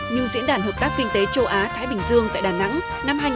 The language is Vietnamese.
như diễn đàn hợp tác kinh tế châu á thái bình dương tại đà nẵng năm hai nghìn hai mươi